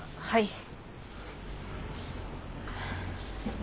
はい。